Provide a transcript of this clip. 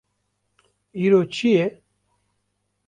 Îro çi ye?